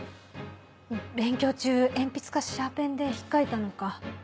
勉強中鉛筆かシャーペンで引っかいたのか。